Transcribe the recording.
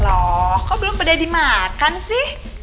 loh kok belum pernah dimakan sih